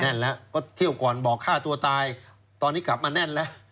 แล้วก็เที่ยวก่อนบอกฆ่าตัวตายตอนนี้กลับมาแน่นแล้ว